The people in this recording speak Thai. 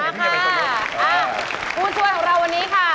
ค่ะผู้ช่วยของเราวันนี้ค่ะ